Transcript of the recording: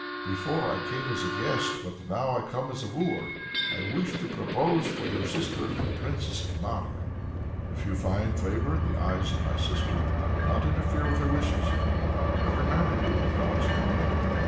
Before I came as a guest, but now I have come as a wooer! I wish to propose for your sister, the Princess Marya." "If you find favor in the eyes of my sister, I will not interfere with her wishes. Let her marry you in God's name!"